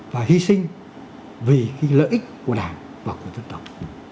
và hy sinh vì lợi ích của đảng và của dân tộc